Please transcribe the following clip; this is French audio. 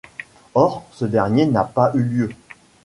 Or ce dernier n'a pas eu lieu.